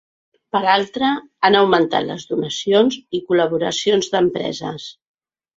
Per altra, han augmentat les donacions i col·laboracions d’empreses.